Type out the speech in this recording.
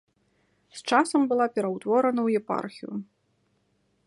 З часам была ператворана ў епархію.